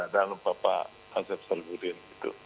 dan bapak asep salihuddin